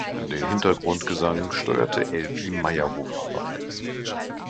Den Hintergrundgesang steuerte Elfie Mayerhofer bei.